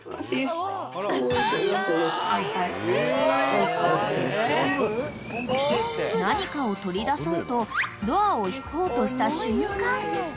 ［何かを取り出そうとドアを引こうとした瞬間］